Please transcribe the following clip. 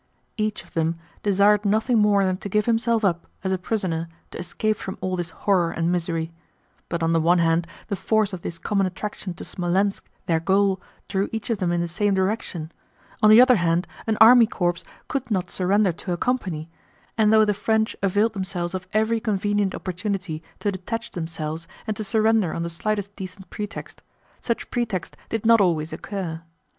Each of them desired nothing more than to give himself up as a prisoner to escape from all this horror and misery; but on the one hand the force of this common attraction to Smolénsk, their goal, drew each of them in the same direction; on the other hand an army corps could not surrender to a company, and though the French availed themselves of every convenient opportunity to detach themselves and to surrender on the slightest decent pretext, such pretexts did not always occur.